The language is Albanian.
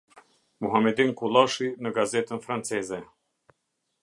Muhamedin Kullashi në gazetën franceze.